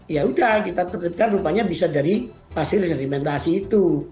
ya udah kita tertipkan rupanya bisa dari hasil sedimentasi itu